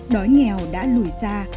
đói nghèo đã lùi xa